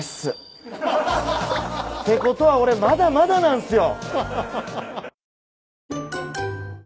てことは俺まだまだなんすよ。